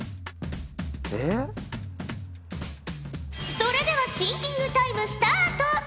それではシンキングタイムスタート！